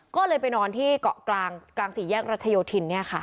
ก็เลยไปนอนที่เกาะกลางกลางสี่แยกรัชโยธินเนี่ยค่ะ